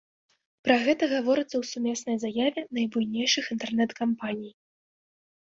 Пра гэта гаворыцца ў сумеснай заяве найбуйнейшых інтэрнэт-кампаній.